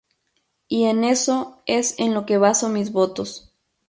Y en eso es en lo que baso mis votos.